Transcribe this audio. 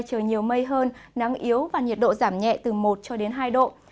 trời nhiều mây hơn nắng yếu và nhiệt độ giảm nhẹ từ một cho đến hai độ